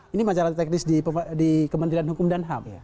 ini masalah teknis di kementerian hukum dan ham